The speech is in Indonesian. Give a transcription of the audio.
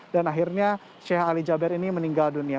dan akhirnya sheikh ali jaber ini meninggal dunia